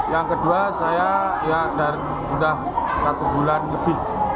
yang kedua saya ya sudah satu bulan lebih